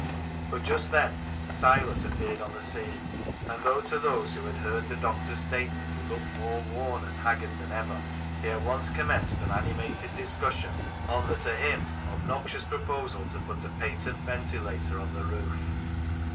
But just then Silas appeared on the scene, and though to those who had heard the doctor's statement he looked more worn and haggard than ever, he at once commenced an animated discussion on the to him obnoxious proposal to put a patent ventilator on the roof.